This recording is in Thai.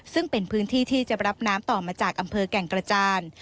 ซึ่งเป็นพื้นที่ที่จะรับน้ำต่อมาจากอำเภอแก่งกระจาน